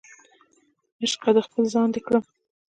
عشقه د خپل ځان دې کړم